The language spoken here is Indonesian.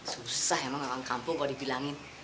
susah emang orang kampung kalau dibilangin